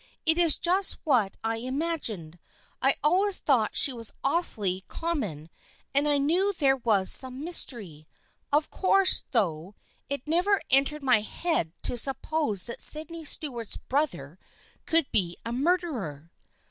It is just what I imagined. I always thought she was awfully com mon, and I knew there was some mystery. Of course, though, it never entered my head to sup pose that Sydney Stuart's brother could be a mur derer."